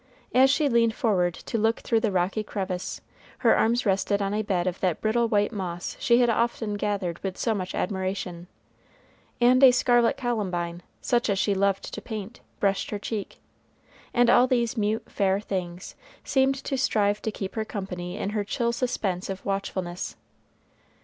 As she leaned forward to look through a rocky crevice, her arms rested on a bed of that brittle white moss she had often gathered with so much admiration, and a scarlet rock columbine, such as she loved to paint, brushed her cheek, and all these mute fair things seemed to strive to keep her company in her chill suspense of watchfulness.